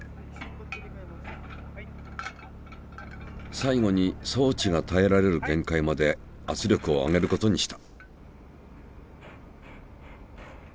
最後に装置がたえられる限界まで圧力を上げることにした。